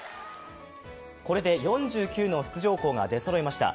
これで４９の出場校が出そろいました。